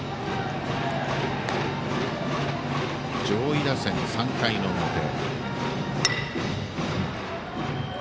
上位打線、３回の表。